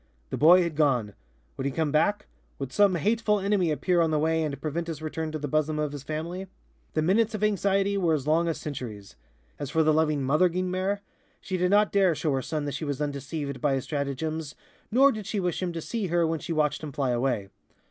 The boy had gone. Would he come back? Would some hateful enemy appear on the way and prevent his return to the bosom of his family? The minutes of anxiety were as long as centuries. As for the loving Mother Guynemer, she did not dare show her son that she was undeceived by his stratagems, nor did she wish him to see her when she watched him fly away.